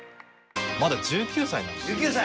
まだ１９歳なんですけど。